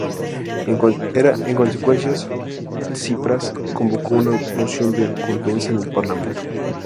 En consecuencia, Tsipras convocó una moción de confianza en el parlamento.